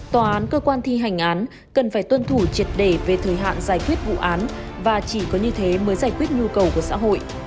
tòa án cơ quan thi hành án cần phải tuân thủ triệt để về thời hạn giải quyết vụ án và chỉ có như thế mới giải quyết nhu cầu của xã hội